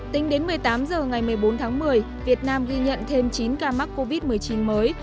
tính đến một mươi tám h ngày một mươi bốn tháng một mươi việt nam ghi nhận thêm chín ca mắc covid một mươi chín mới